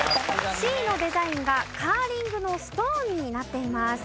「Ｃ」のデザインがカーリングのストーンになっています。